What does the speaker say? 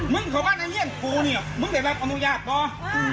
มึงเขาบ้านไอ้เหี้ยงกู้เนี่ยมึงเป็นแบบอนุญาตเหรอ